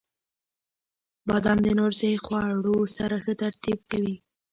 • بادام د نورو صحي خوړو سره ښه ترکیب ورکوي.